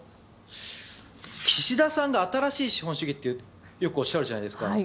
岸田さんが新しい資本主義ってよくおっしゃるじゃないですか。